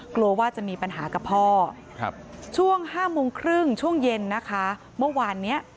กลัวว่าจะมีปัญหากับพ่อช่วง๕โมงครึ่งช่วงเย็นนะคะเมื่อวานนี้